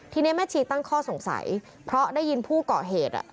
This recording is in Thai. ทีนี้แม่ชีตั้งข้อสงสัยเพราะได้ยินผู้ก่อเหตุ